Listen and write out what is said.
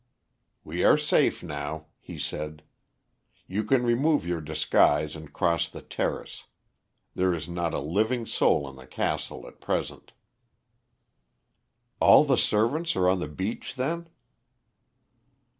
"We are safe now," he said. "You can remove your disguise and cross the terrace. There is not a living soul in the castle at present." "All the servants are on the beach, then?"